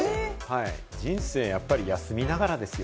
人生やっぱり休みながらですよ。